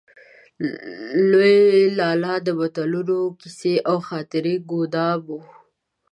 لوی لالا د متلونو، کيسو او خاطرو ګودام و.